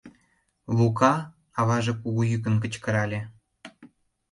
— Лука! — аваже кугу йӱкын кычкырале.